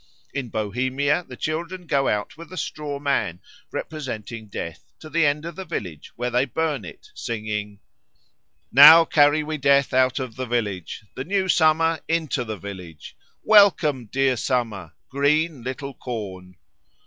In Bohemia the children go out with a straw man, representing Death, to the end of the village, where they burn it, singing "Now carry we Death out of the village, The new Summer into the village, Welcome, dear Summer, Green little corn."